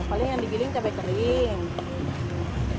paling yang digiling cabai kering